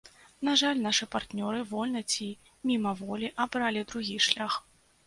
На жаль, нашы партнёры вольна ці мімаволі абралі другі шлях.